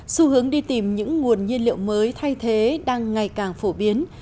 xu hướng đi tìm những nguồn nhiên liệu mới thay thế đang ngày càng phổ biến